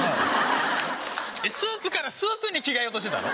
スーツからスーツに着替えようとしてたの？